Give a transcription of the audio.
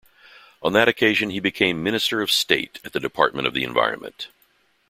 On that occasion he became Minister of State at the Department of the Environment.